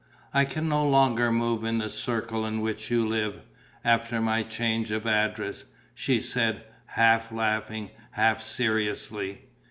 "I can no longer move in the circle in which you live, after my change of address," she said, half laughing, half seriously.